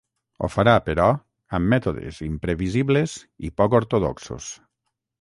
Ho farà però, amb mètodes imprevisibles i poc ortodoxos.